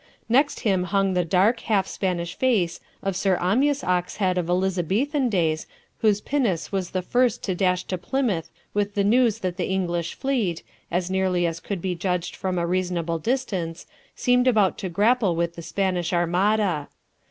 Next him hung the dark half Spanish face of Sir Amyas Oxhead of Elizabethan days whose pinnace was the first to dash to Plymouth with the news that the English fleet, as nearly as could be judged from a reasonable distance, seemed about to grapple with the Spanish Armada.